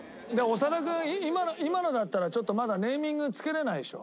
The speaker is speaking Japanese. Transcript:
長田君今のだったらちょっとまだネーミング付けれないでしょ？